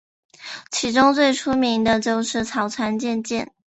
其中最出名的就是草船借箭。